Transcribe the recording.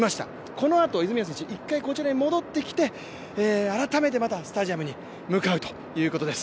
このあと泉谷選手、１回こちらに戻ってきて改めてまたスタジアムに向かうということです。